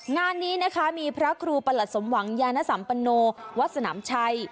งานนี้นะคะมีพระครูประหลัดสมหวังยานสัมปโนวัดสนามชัย